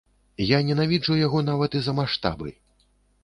Я ненавіджу яго нават і за маштабы.